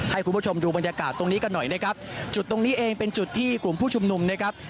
ให้คุณผู้ชมดูบรรยากาศตรงนี้กันหน่อยนะครับจุดตรงนี้เองเป็นจุดที่กลุ่มผู้ชุมนุมนะครับ